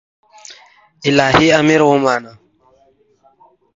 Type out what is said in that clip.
الهي امر ومانه